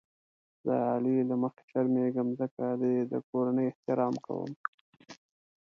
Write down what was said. د علي له مخې شرمېږم ځکه یې د کورنۍ احترام کوم.